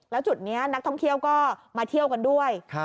แล้วจุดนี้นักท่องเที่ยวก็มาเที่ยวกันด้วย